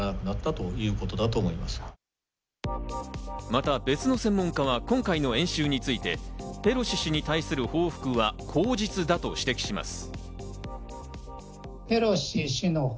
また別の専門家は今回の演習について、ペロシ氏に対する報復は口実だと指摘します。